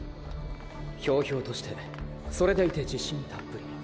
ひょうひょうとしてそれでいて自信たっぷり。